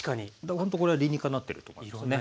ほんとこれ理にかなってると思いますね。